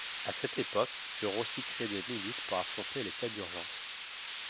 À cette époque furent aussi créées des milices pour affronter les cas d’urgence.